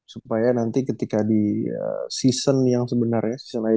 supaya nanti ketika di season yang sebenarnya